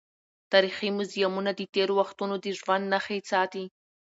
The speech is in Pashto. تاریخي موزیمونه د تېرو وختونو د ژوند نښې ساتي.